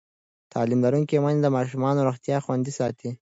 تعلیم لرونکې میندې د ماشومانو روغتیا خوندي ساتي.